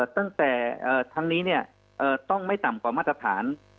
ตั้งแต่ทั้งนี้ต้องไม่ต่ำกว่ามาตรฐาน